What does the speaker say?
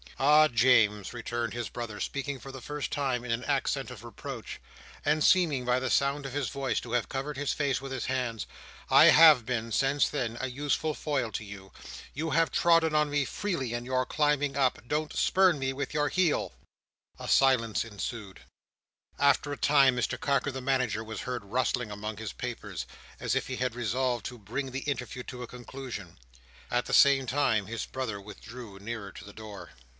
"Ah, James," returned his brother, speaking for the first time in an accent of reproach, and seeming, by the sound of his voice, to have covered his face with his hands, "I have been, since then, a useful foil to you. You have trodden on me freely in your climbing up. Don't spurn me with your heel!" A silence ensued. After a time, Mr Carker the Manager was heard rustling among his papers, as if he had resolved to bring the interview to a conclusion. At the same time his brother withdrew nearer to the door.